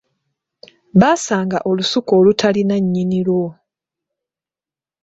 Baasanga olusuku olutaalina nnyini lwo.